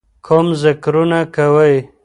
کوم ذِکرونه کوئ،